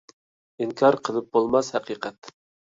ئىنكار قىلىپ بولماس ھەقىقەت!